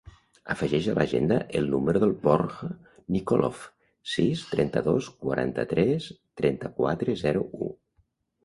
Afegeix a l'agenda el número del Bjorn Nikolov: sis, trenta-dos, quaranta-tres, trenta-quatre, zero, u.